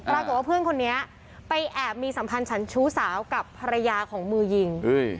ปรากฏว่าเพื่อนคนนี้ไปแอบมีสัมพันธ์ฉันชู้สาวกับภรรยาของมือยิง